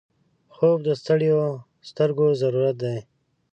خوب د ستړیو سترګو ضرورت دی